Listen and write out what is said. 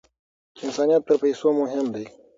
انسانیت تر پیسو مهم دی.